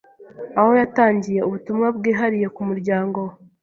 aho yatangiye ubutumwa bwihariye ku muryango